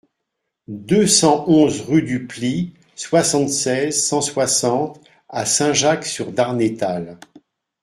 deux cent onze rue du Plis, soixante-seize, cent soixante à Saint-Jacques-sur-Darnétal